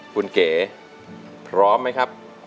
คุณเก๋พร้อมไหมครับ